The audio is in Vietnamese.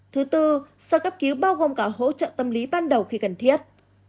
thứ tư sơ cấp cứu bao gồm cả hỗ trợ tâm lý ban đầu khi cần thiết